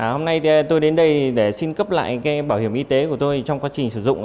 hôm nay tôi đến đây để xin cấp lại bảo hiểm y tế của tôi trong quá trình sử dụng